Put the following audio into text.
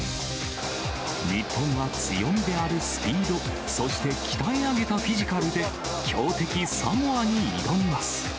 日本は強みであるスピード、そして鍛え上げたフィジカルで、強敵、サモアに挑みます。